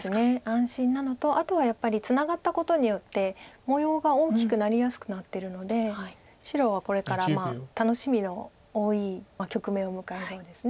安心なのとあとはやっぱりツナがったことによって模様が大きくなりやすくなってるので白はこれから楽しみの多い局面を迎えそうです。